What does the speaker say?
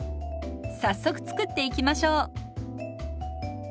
早速作っていきましょう。